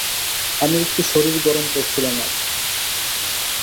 আমি একটু শরীর গরম করছিলাম আর।